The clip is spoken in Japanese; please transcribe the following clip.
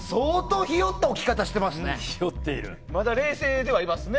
まだ冷静ではいますね。